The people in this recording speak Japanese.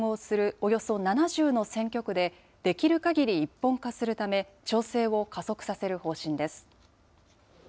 およそ７０の選挙区で、できるかぎり一本化するため、調整を加速させる方針です。